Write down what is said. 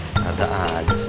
nggak ada aja sih